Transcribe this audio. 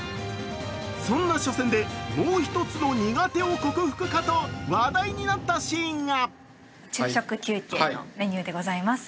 そんな初戦でもう一つの苦手を克服かと話題になったシーンが。